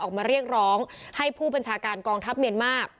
ออกมาเรียกร้องให้ผู้บัญชาการกองทัพเมียนมาร์